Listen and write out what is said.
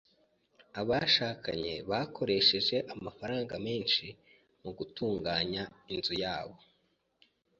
Abashakanye bakoresheje amafaranga menshi mu gutunganya inzu yabo.